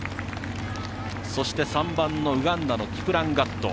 そして、３番のウガンダのキプランガット。